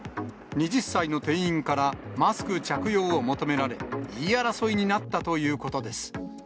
２０歳の店員からマスク着用を求められ、言い争いになったということです。